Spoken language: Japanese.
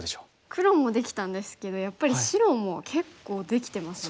黒もできたんですけどやっぱり白も結構できてますよね。